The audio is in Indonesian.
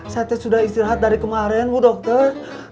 saya sudah istirahat dari kemarin bu dokter